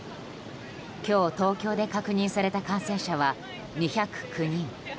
今日、東京で確認された感染者は２０９人。